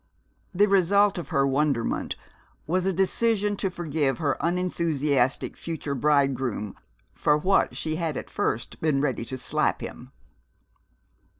The result of her wonderment was a decision to forgive her unenthusiastic future bridegroom for what she had at first been ready to slap him.